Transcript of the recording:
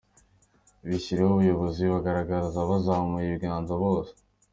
bishyiriyeho ubuyobozi, babigaragaza bazamuye ibiganza bose.